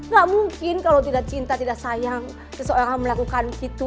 gak mungkin kalau tidak cinta tidak sayang seseorang melakukan itu